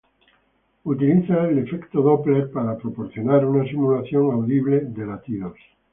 Utiliza el efecto Doppler para proporcionar una simulación audible de latidos.